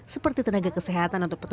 seperti tenaga kesehatan dan penyakit komorbid